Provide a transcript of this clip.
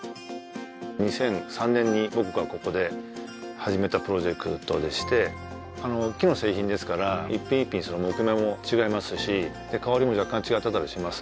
２００３年に僕がここで始めたプロジェクトでして木の製品ですから一品一品木目も違いますし香りも若干違ってたりします